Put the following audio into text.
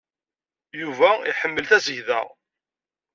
Yuba iḥemmel tasegda.